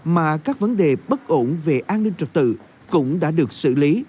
mà các vấn đề bất ổn về an ninh trật tự cũng đã được xử lý